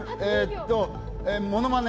ものまね。